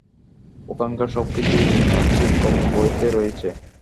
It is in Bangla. ওখানকার সব কিছুই, আর্চির কমিক বই তে রয়েছে।